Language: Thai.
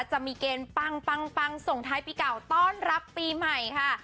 จะมีเกณฑ์ปังปังส่งท้ายปีเก่าต้อนรับปีใหม่ค่ะ